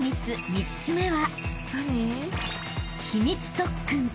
３つ目は］